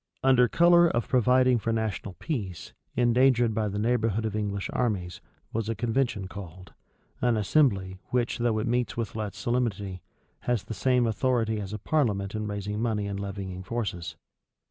Under color of providing for national peace, endangered by the neighborhood of English armies, was a convention called; an assembly which though it meets with less solemnity, has the same authority as a parliament in raising money and levying forces.